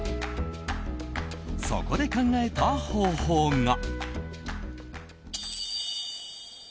そこで考えた方法が。